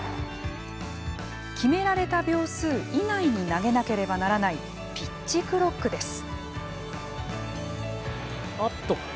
決められた秒数以内に投げなければならないピッチクロックです。